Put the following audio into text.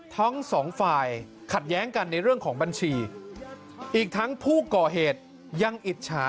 ทั้งสองฝ่ายขัดแย้งกันในเรื่องของบัญชีอีกทั้งผู้ก่อเหตุยังอิจฉา